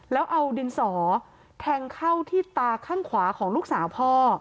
แล้วเอาดินสอแทงเข้าที่ตาข้างขวาของลูกสาวพ่อ